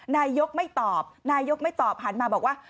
นายกไม่ตอบนายกไม่ตอบหันมาบอกว่า